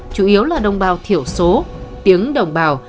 chủ yếu là đồng bào thiểu số tiếng đồng bào